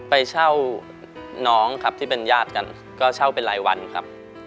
ไปเช่าน้องครับที่เป็นญาติกันก็เช่าเป็นรายวันครับ